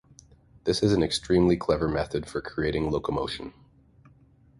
This is an extremely clever method for creating locomotion.